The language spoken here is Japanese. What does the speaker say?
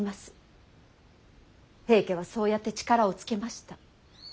平家はそうやって力をつけました。